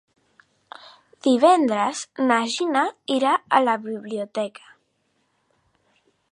Divendres na Gina irà a la biblioteca.